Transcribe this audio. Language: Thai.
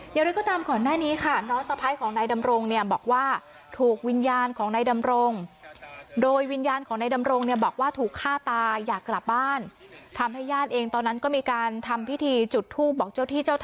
อย่างไรก็ตามของแบบนี้ค่ะน้อกซาไพรค์ของนายดำรงเนี่ย